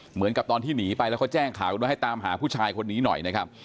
เหมือนกับตอนที่หนีไปแล้วเขาแจ้งข่าวกันว่าให้ตามหาผู้ชายคนนี้หน่อยนะครับ